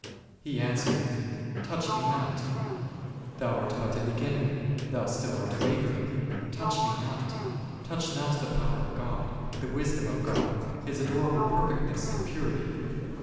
He answered, Touch Me not ; thou art but a beginner, thou still art wavering : Touch Me not ; touch not the power of God, the wisdom of God, His adorable perfectness and purity.